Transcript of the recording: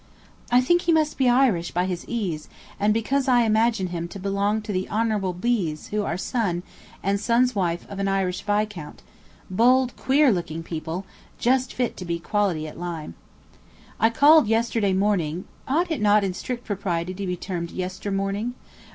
I think he must be Irish by his ease, and because I imagine him to belong to the honbl B.'s, who are son, and son's wife of an Irish viscount, bold queer looking people, just fit to be quality at Lyme. I called yesterday morning (ought it not in strict propriety to be termed yester morning?)